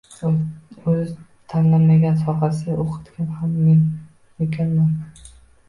O`zi tanlamagan sohasida o`qitgan ham men ekanman